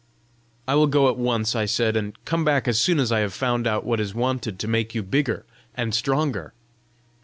"I will go at once," I said, "and come back as soon as I have found out what is wanted to make you bigger and stronger."